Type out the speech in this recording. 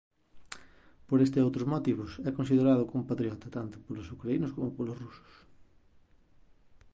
Por este e outros motivos é considerado compatriota tanto polos ucraínos como polos rusos.